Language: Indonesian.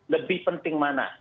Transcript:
lebih penting mana